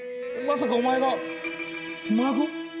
まさかお前が孫？